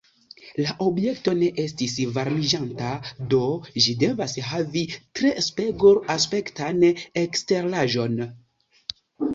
La objekto ne estis varmiĝanta, do ĝi devas havi tre spegul-aspektan eksteraĵon.